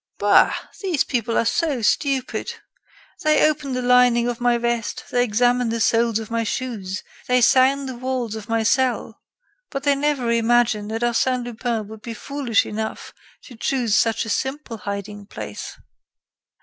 "Bah! these people are so stupid! They open the lining of my vest, they examine the soles of my shoes, they sound the walls of my cell, but they never imagine that Arsène Lupin would be foolish enough to choose such a simple hiding place."